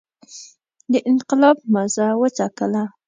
د انقلاب مزه وڅکله.